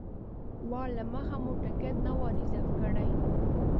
وار له مخه مو ټکټ نه و ریزرف کړی.